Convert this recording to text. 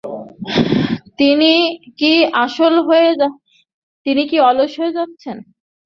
তিনি কি অলস হয়ে যাচ্ছেন?